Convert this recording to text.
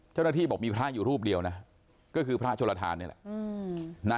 เจ้าหน้าที่บอกมีพระอยู่รูปเดียวนะก็คือพระโชลทานนี่แหละ